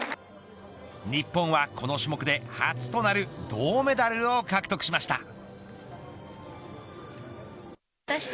日本はこの種目で初となる銅メダルを獲得しました。